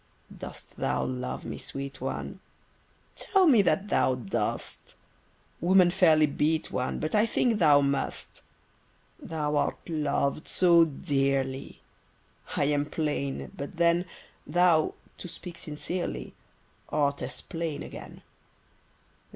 Dost thou love me, sweet one? Tell me that thou dost! Women fairly beat one, But I think thou must. Thou art loved so dearly: I am plain, but then Thou (to speak sincerely) Art as plain again.